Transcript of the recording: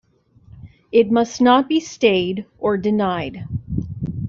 It must not be stayed or denied.